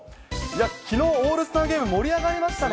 きのう、オールスターゲーム、盛り上がりましたね。